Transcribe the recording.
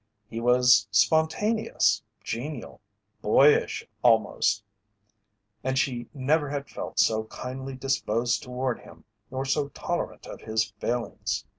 He was spontaneous, genial, boyish almost, and she never had felt so kindly disposed toward him nor so tolerant of his failings.